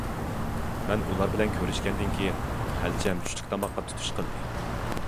مەن ئۇلار بىلەن كۆرۈشكەندىن كېيىن، خەلچەم چۈشلۈك تاماققا تۇتۇش قىلدى.